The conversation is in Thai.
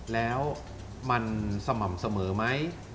แล้วมันสม่ำเสมอไหม